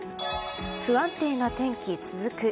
不安定な天気、続く。